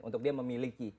untuk dia memiliki